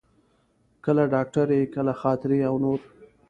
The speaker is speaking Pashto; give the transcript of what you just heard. کله ډاکټري، کله خاطرې او نور.